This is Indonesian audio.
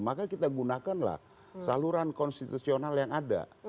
maka kita gunakan lah saluran konstitusional yang ada